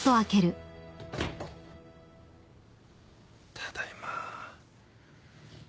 ただいま。